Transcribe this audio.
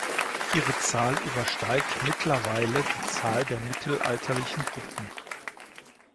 Ihre Zahl übersteigt mittlerweile die Zahl der mittelalterlichen Gruppen.